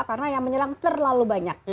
karena yang menyerang terlalu banyak